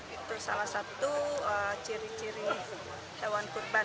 itu salah satu ciri ciri hewan kurban